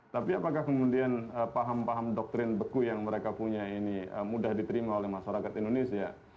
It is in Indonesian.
tapi apakah kemudian paham paham doktrin beku yang mereka punya ini mudah diterima oleh masyarakat indonesia